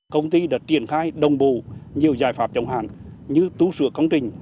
công ty đã triển khai đồng bù nhiều giải pháp trong hàn như tú sửa công trình